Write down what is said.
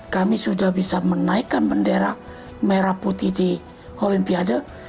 kami sudah bisa menaikkan bendera merah putih di olimpiade